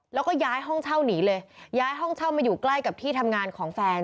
แล้วก็ย้ายห้องเช่าหนีเลยย้ายห้องเช่ามาอยู่ใกล้กับที่ทำงานของแฟน